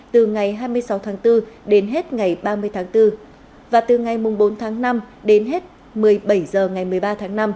từ ngày hai mươi sáu tháng bốn đến hết ngày ba mươi tháng bốn và từ ngày bốn tháng năm đến hết một mươi bảy h ngày một mươi ba tháng năm